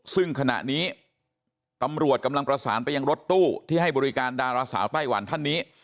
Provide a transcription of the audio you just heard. ซึ่งขณะนี้ตำรวจกำลังประสานไปยังรถตู้ที่ให้บริการดาราสาวไต้หวันท่านนี้